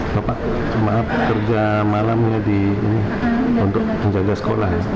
bapak kerja malamnya di ini untuk menjaga sekolah ya